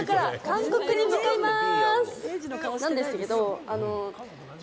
今から韓国に向かいます！